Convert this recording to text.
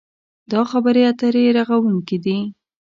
دا خبرې اترې رغوونکې دي.